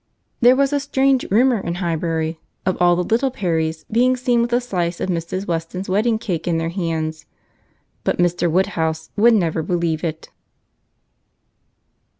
There was a strange rumour in Highbury of all the little Perrys being seen with a slice of Mrs. Weston's wedding cake in their hands: but Mr. Woodhouse would never believe it.